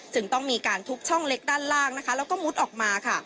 จึงต้องมีการทุกช่องเล็กด้านล่างนะคะแล้วก็มุดออกมาค่ะ